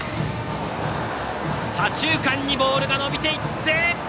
左中間にボールが伸びていって。